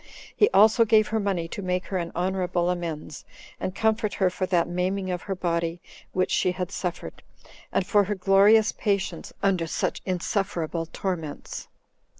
He also gave her money to make her an honorable amends, and comfort her for that maiming of her body which she had suffered, and for her glorious patience under such insufferable torments.